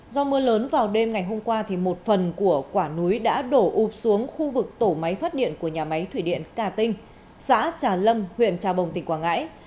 do mưa lớn vào đêm ngày hôm qua một phần của quả núi đã đổ ụp xuống khu vực tổ máy phát điện của nhà máy thủy điện cà tinh xã trà lâm huyện trà bồng tỉnh quảng ngãi